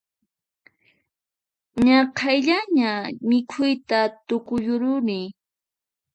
Ñak'ayllaña mikhuyta tukuyuruni